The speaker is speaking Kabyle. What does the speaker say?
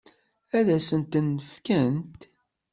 Ad sent-ten-fkent?